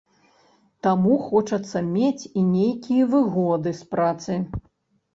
Таму хочацца мець і нейкія выгоды з працы.